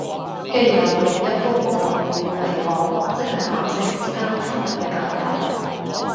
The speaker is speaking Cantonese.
基友用一般網絡用語嚟講即係男性之間親密嘅朋友